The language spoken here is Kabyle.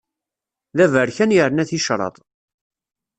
D aberkan yerna ticraḍ.